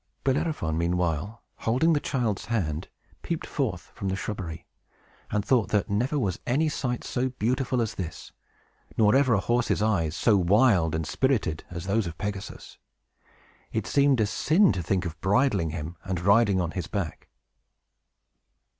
Bellerophon, meanwhile, holding the child's hand, peeped forth from the shrubbery, and thought that never was any sight so beautiful as this, nor ever a horse's eyes so wild and spirited as those of Pegasus. It seemed a sin to think of bridling him and riding on his back.